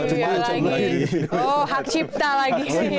oh hak cipta lagi